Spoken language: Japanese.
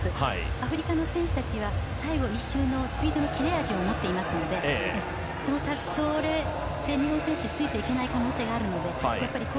アフリカの選手たちは最後１周のスピードの切れ味を持っていますのでそれに日本選手ついていけない可能性があるので。